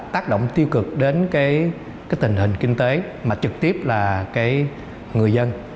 tiêu cực đến cái tình hình kinh tế mà trực tiếp là cái người dân